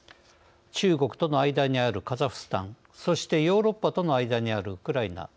中国との間にあるカザフスタンそしてヨーロッパとの間にあるウクライナ。